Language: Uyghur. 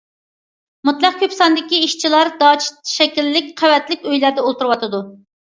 مۇتلەق كۆپ ساندىكى ئىشچىلار داچا شەكىللىك قەۋەتلىك ئۆيلەردە ئولتۇرۇۋاتىدۇ.